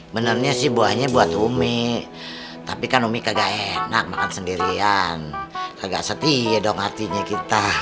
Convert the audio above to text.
benernya sih buahnya buat umi tapi kan umi kagak enak makan sendirian agak setia dong hatinya kita